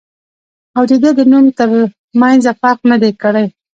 او د دۀ د نوم تر مېنځه فرق نۀ دی کړی